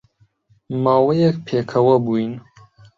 ماوەیەک پێکەوە بووین